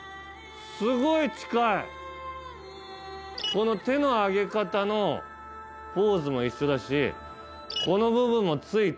この手の上げ方のポーズも一緒だしこの部分も付いている。